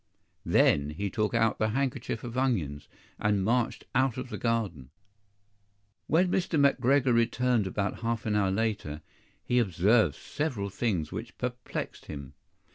THEN he took out the handkerchief of onions, and marched out of the garden. When Mr. McGregor returned about half an hour later, he observed several things which perplexed him.